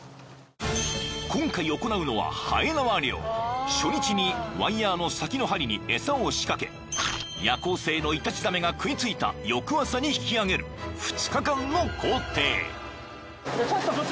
［今回行うのははえ縄漁］［初日にワイヤーの先の針に餌を仕掛け夜行性のイタチザメが食い付いた翌朝に引き揚げる２日間の工程］